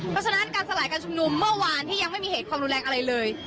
เพราะฉะนั้นการสลายการชุมนุมเมื่อวานที่ยังไม่มีเหตุความรุนแรงอะไรเลย